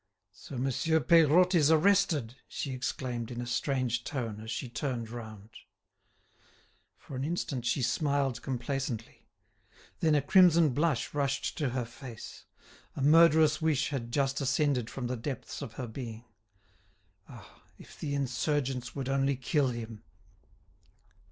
"So Monsieur Peirotte is arrested!" she exclaimed in a strange tone as she turned round. For an instant she smiled complacently; then a crimson blush rushed to her face. A murderous wish had just ascended from the depths of her being. "Ah! if the insurgents would only kill him!"